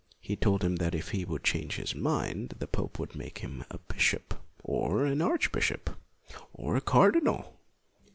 He told him that if he would change his mind the pope would make him a bishop, or an archbishop, or a cardinal.